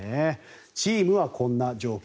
チームはこんな状況。